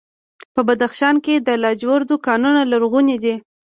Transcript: په بدخشان کې د لاجوردو کانونه لرغوني دي